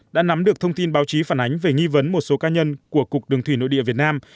đã nắm được thông tin báo chí phản ánh về nghi vấn một số ca nhân của cục đường thủy nội địa việt nam